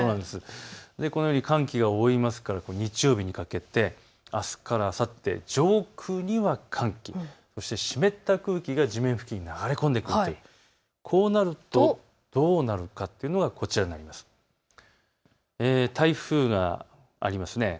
このように寒気が多いので日曜日にかけてあすからあさって、上空には寒気、そして湿った空気が地面付近に流れ込んでくるとどうなるかというと、台風があります。